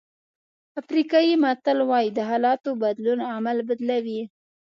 افریقایي متل وایي د حالاتو بدلون عمل بدلوي.